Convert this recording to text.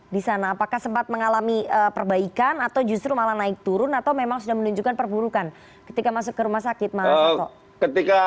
di sana apakah sempat mengalami perbaikan atau justru malah naik turun atau memang sudah menunjukkan perburukan ketika masuk ke rumah sakit mas toto